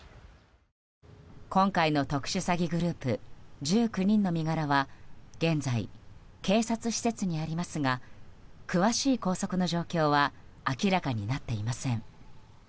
今回の特殊詐欺グループ１９人の身柄は現在、警察施設にありますが詳しい拘束の状況は明らかになっていません。